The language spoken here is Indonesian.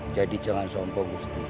jadi jangan sombong kusti